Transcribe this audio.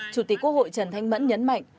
chủ tịch quốc hội trần thanh mẫn nhấn mạnh